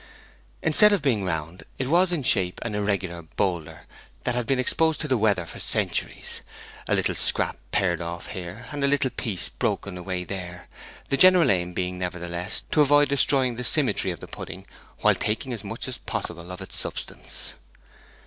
Instead of being round, it was in shape an irregular boulder that had been exposed to the weather for centuries a little scrap pared off here, and a little piece broken away there; the general aim being, nevertheless, to avoid destroying the symmetry of the pudding while taking as much as possible of its substance.